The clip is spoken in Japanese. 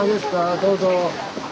どうぞ。